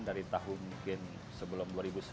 dari tahun mungkin sebelum dua ribu sembilan belas